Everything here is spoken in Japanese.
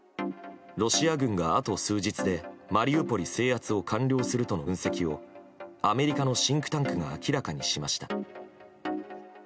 ロシア軍があと数日でマリウポリ制圧を完了するとの分析をアメリカのシンクタンクが明らかにしました。